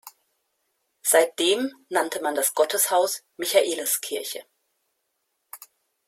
Seitdem nannte man das Gotteshaus „Michaeliskirche“.